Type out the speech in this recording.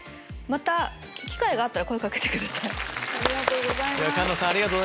また機会があったら声掛けてください。